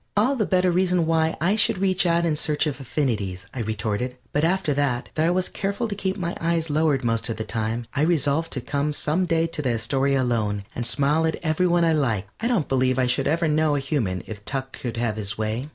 "All the better reason why I should reach out in search of affinities," I retorted. But after that, though I was careful to keep my eyes lowered most of the time, I resolved to come some day to the Astoria alone and smile at every one I liked. I don't believe I should ever know a human if Tuck could have his way.